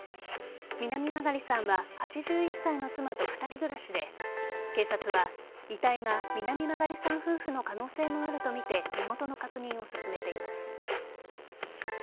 南曲さんは８１歳の妻と２人暮らしで警察は遺体が南曲さん夫婦の可能性もあるとみて身元の確認を進めています。